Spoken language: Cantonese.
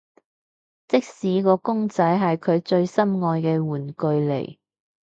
即使個公仔係佢最心愛嘅玩具嚟